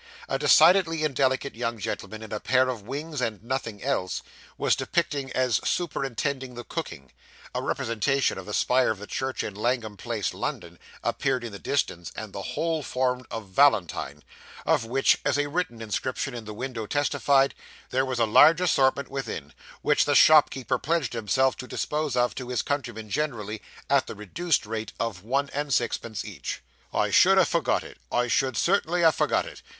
A decidedly indelicate young gentleman, in a pair of wings and nothing else, was depicted as superintending the cooking; a representation of the spire of the church in Langham Place, London, appeared in the distance; and the whole formed a 'valentine,' of which, as a written inscription in the window testified, there was a large assortment within, which the shopkeeper pledged himself to dispose of, to his countrymen generally, at the reduced rate of one and sixpence each. 'I should ha' forgot it; I should certainly ha' forgot it!